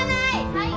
はい！